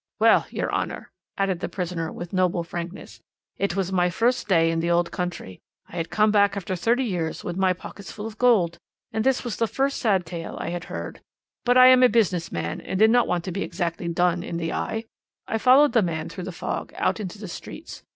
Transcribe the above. "'Well, your Honour,' added the prisoner with noble frankness, 'it was my first day in the old country. I had come back after thirty years with my pockets full of gold, and this was the first sad tale I had heard; but I am a business man, and did not want to be exactly "done" in the eye. I followed my man through the fog, out into the streets.